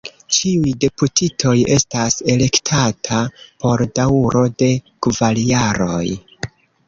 Ĉiuj deputitoj estas elektataj por daŭro de kvar jaroj.